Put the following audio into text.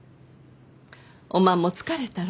おまんも疲れたろう？